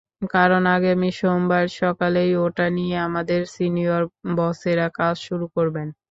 কারণ আগামী সোমবার সকালেই ওটা নিয়ে আমাদের সিনিয়র বসেরা কাজ শুরু করবেন।